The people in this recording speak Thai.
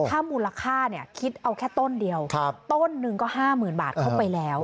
ถ้ามูลค่าเนี่ยคิดเอาแค่ต้นเดียวต้นหนึ่งก็๕๐๐๐บาทเข้าไปแล้ว